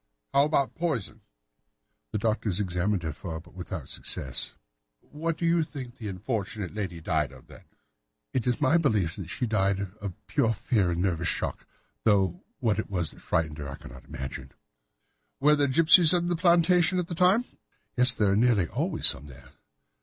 "How about poison?" "The doctors examined her for it, but without success." "What do you think that this unfortunate lady died of, then?" "It is my belief that she died of pure fear and nervous shock, though what it was that frightened her I cannot imagine." "Were there gipsies in the plantation at the time?" "Yes, there are nearly always some there."